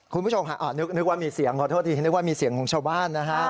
คุณผู้ชมนึกว่ามีเสียงของชาวบ้านนะฮะ